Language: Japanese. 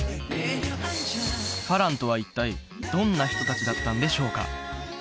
花郎とは一体どんな人達だったんでしょうか？